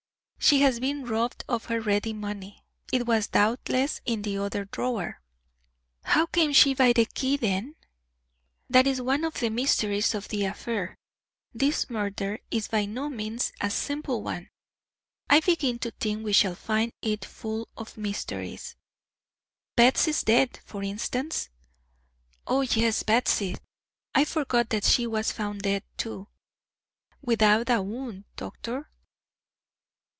"She has been robbed of her ready money. It was doubtless in the other drawer." "How came she by the key, then?" "That is one of the mysteries of the affair; this murder is by no means a simple one. I begin to think we shall find it full of mysteries." "Batsy's death, for instance?" "O yes, Batsy! I forgot that she was found dead too." "Without a wound, doctor."